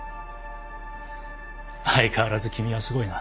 相変わらず君はすごいな。